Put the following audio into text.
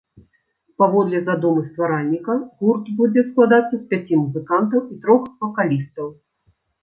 Паводле задумы стваральніка, гурт будзе складацца з пяці музыкантаў і трох вакалістаў.